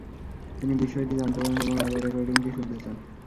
তিনি বিষয়টি জানতে পারেন এবং আগের রেকর্ডিংটি শুনতে চান।